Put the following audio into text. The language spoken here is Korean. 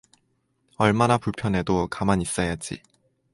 얼마나 불편해도 가만있어야지.